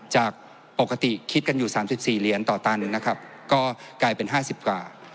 จากปกติคิดกันอยู่๓๔เหรียญต่อตาหนึ่งนะครับก็กลายเป็น๕๐กว่า